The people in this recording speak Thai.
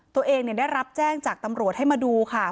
ตัวเองได้รับแจ้งจากตำรวจให้มาดูค่ะ